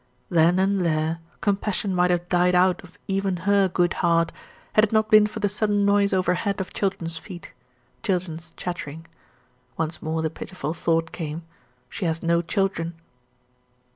Then and there, compassion might have died out of even her good heart, had it not been for the sudden noise over head of children's feet children's chattering. Once more the pitiful thought came "She has no children."